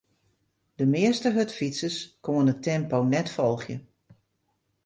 De measte hurdfytsers koene it tempo net folgje.